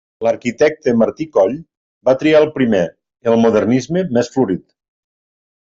L'arquitecte Martí Coll va triar el primer, el modernisme més florit.